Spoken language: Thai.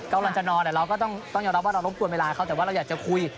กำลังจะนอนแต่เราก็ต้องยอมรับว่าเรารบกวนเวลาเขาแต่ว่าเราอยากจะคุย